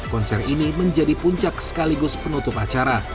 konser ini menjadi puncak sekaligus penutup acara